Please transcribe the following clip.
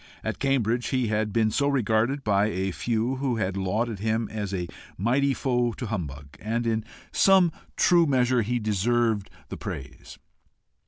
At Cambridge he had been so regarded by a few who had lauded him as a mighty foe to humbug and in some true measure he deserved the praise.